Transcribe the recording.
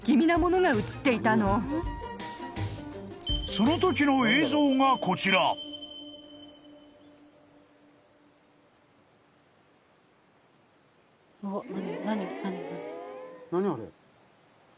［そのときの映像がこちら］何！？